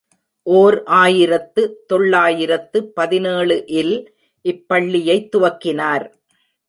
ஓர் ஆயிரத்து தொள்ளாயிரத்து பதினேழு இல் இப் பள்ளியைத் துவக்கினார்.